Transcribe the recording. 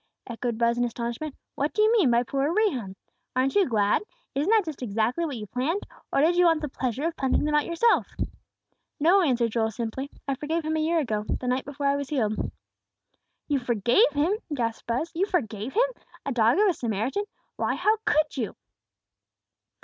echoed Buz, in astonishment. "What do you mean by poor Rehum? Aren't you glad? Isn't that just exactly what you planned; or did you want the pleasure of punching them out yourself?" "No," answered Joel, simply; "I forgave him a year ago, the night before I was healed." "You forgave him!" gasped Buz, "you forgave him! A dog of a Samaritan! Why, how could you?"